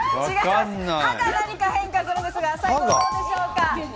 歯が何か変化するんですが、最後どうでしょうか？